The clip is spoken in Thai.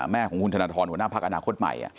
แม่ของคุณธนทรหัวหน้าพักอนาคตใหม่